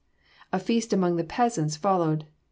A feast among the peasants followed.